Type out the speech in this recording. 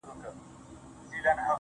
له دېوالونو یې رڼا پر ټوله ښار خپره ده~